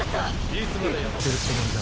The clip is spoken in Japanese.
いつまでやってるつもりだ？